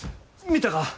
見たか？